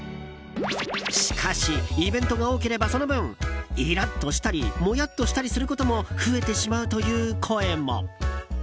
しかし、イベントが多ければその分、イラッとしたりモヤっとしたりすることも増えてしまうという声も。